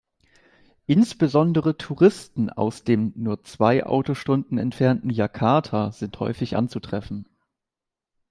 Insbesondere Touristen aus dem nur zwei Autostunden entfernten Jakarta sind häufig anzutreffen.